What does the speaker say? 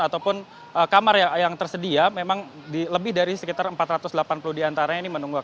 ataupun kamar yang tersedia memang lebih dari sekitar empat ratus delapan puluh diantaranya ini menunggu